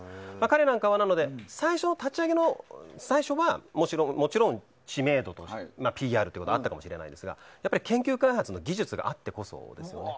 立ち上げの最初はもちろん知名度とＰＲということがあったかもしれないですがやっぱり研究・開発の技術があってこそですよね。